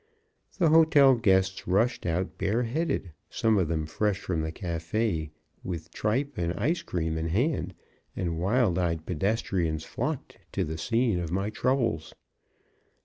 The hotel guests rushed out bare headed, some of them fresh from the cafe with tripe and ice cream in hand, and wild eyed pedestrians flocked to the scene of my troubles.